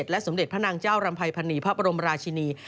และสมเด็จพระนางเจ้ารำภัยพันนีพระบรมราชินี